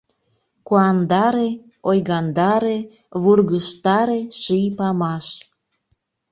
Куандаре, ойгандаре, Вургыжтаре, ший памаш!